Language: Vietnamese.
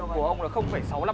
ông uống mấy ca rồi nhiều ca lắm á